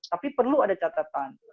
tapi perlu ada catatan